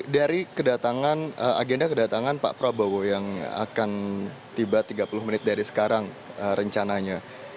dari agenda kedatangan pak prabowo yang akan tiba tiga puluh menit dari sekarang rencananya